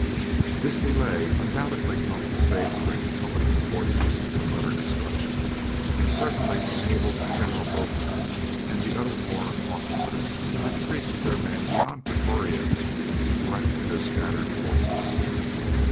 This delay undoubtedly helped to save the Republican forces from utter destruction and certainly enabled General Botha and the other Boer officers to retreat with their men beyond Pretoria and to collect their scattered forces.